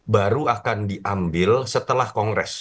baru akan diambil setelah kongres